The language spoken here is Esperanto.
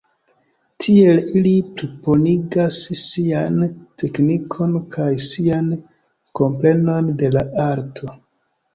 Tiel ili plibonigas sian teknikon kaj sian komprenon de la arto.